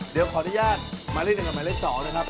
เดี๋ยวขออนุญาตมาเล่นกันกับหมายเลข๒เลยครับ